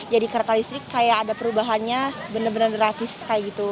jadi kereta listrik kayak ada perubahannya bener bener gratis kayak gitu